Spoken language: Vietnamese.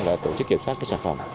để tổ chức kiểm soát các sản phẩm